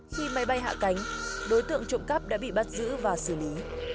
khi máy bay hạ cánh đối tượng trộm cắp đã bị bắt giữ và xử lý